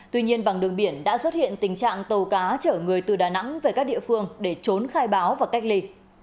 tuy nhiên bằng đường biển đã xuất hiện tình trạng tàu cá chở người từ đà nẵng về các địa phương để trốn khai báo và cách ly